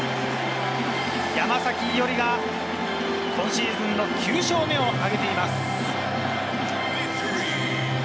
山崎伊織が今シーズンの９勝目を挙げています。